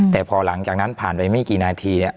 แต่พอหลังจากนั้นผ่านไปไม่กี่นาทีเนี่ย